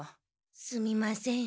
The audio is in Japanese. すみません。